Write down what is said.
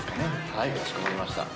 はいかしこまりました。